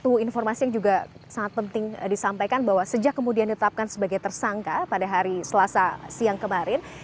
itu informasi yang juga sangat penting disampaikan bahwa sejak kemudian ditetapkan sebagai tersangka pada hari selasa siang kemarin